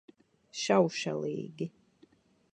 Šaušalīgi.